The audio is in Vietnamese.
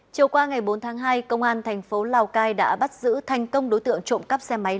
chiều qua ngày bốn tháng hai công an thành phố lào cai đã bắt giữ thành công đối tượng trộm cắp xe máy